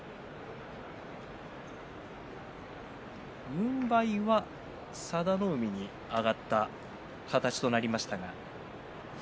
軍配は佐田の海に上がった形となりました。